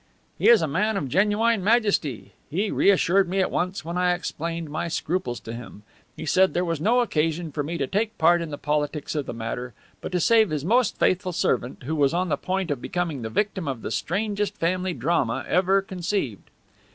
"He is a man of genuine majesty. He reassured me at once when I explained my scruples to him. He said there was no occasion for me to take part in the politics of the matter, but to save his most faithful servant, who was on the point of becoming the victim of the strangest family drama ever conceived."